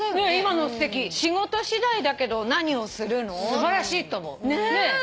素晴らしいと思う。